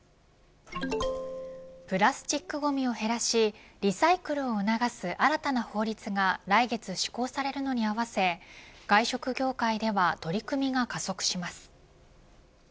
プラスチックゴミを減らしリサイクルを促す新たな法律が来月施行されるのに合わせ外食業界では取り組みが加速します。